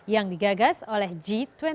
yang digagas oleh g dua puluh